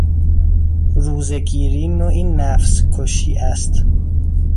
روزهگیری نوعی نفس کشی است.